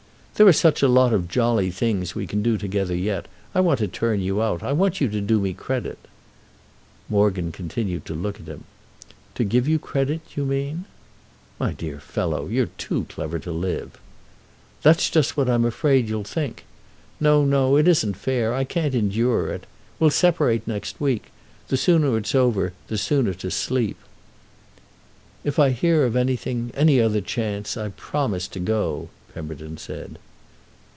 "There are such a lot of jolly things we can do together yet. I want to turn you out—I want you to do me credit." Morgan continued to look at him. "To give you credit—do you mean?" "My dear fellow, you're too clever to live." "That's just what I'm afraid you think. No, no; it isn't fair—I can't endure it. We'll separate next week. The sooner it's over the sooner to sleep." "If I hear of anything—any other chance—I promise to go," Pemberton said.